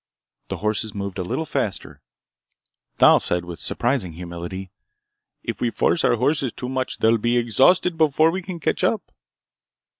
The horses moved a little faster. Thal said with surprising humility: "If we force our horses too much, they'll be exhausted before we can catch up."